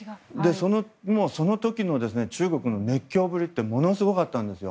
その時の中国の熱狂ぶりってものすごかったんですよ。